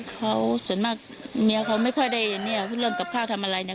เขาส่วนมากเมียเขาไม่ค่อยได้เนี่ยเรื่องกับข้าวทำอะไรเนี่ย